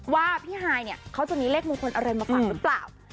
ว่าพี่ฮายเนี่ยเขาจะมีเลขมงคลอะไรมาฝากหรือเปล่า